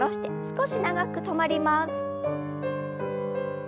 少し長く止まります。